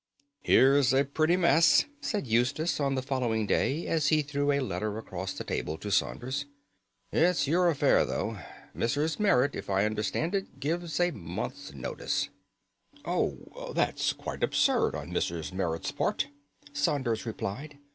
"Here's a pretty mess!" said Eustace on the following day as he threw a letter across the table to Saunders. "It's your affair, though. Mrs. Merrit, if I understand it, gives a month's notice." "Oh, that's quite absurd on Mrs. Merrit's part," Saunders replied.